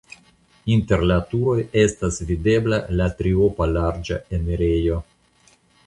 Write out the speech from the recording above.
Inter la turoj estas videbla la triopa larĝa enirejo.